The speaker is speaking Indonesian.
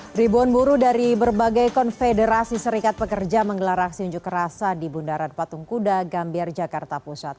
beribuan buruh dari berbagai konfederasi serikat pekerja menggelar aksi unjuk rasa di bundaran patung kuda gambir jakarta pusat